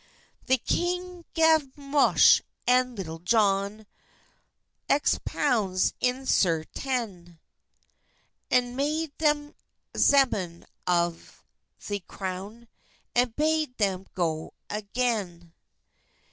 The kyng gaf Moche and Litul Jon xx pound in sertan, And made theim zemen of the crowne, And bade theim go agayn.